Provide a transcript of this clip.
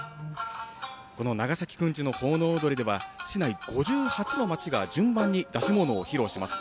この長崎くんちの奉納踊では市内５８の町が順番に出し物を披露します。